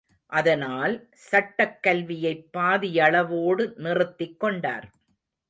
அதனால், சட்டக் கல்வியைப் பாதியளவோடு நிறுத்திக் கொண்டார்.